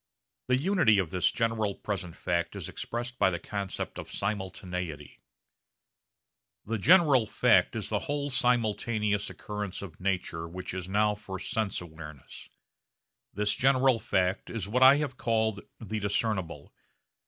The unity of this general present fact is expressed by the concept of simultaneity. The general fact is the whole simultaneous occurrence of nature which is now for sense awareness. This general fact is what I have called the discernible.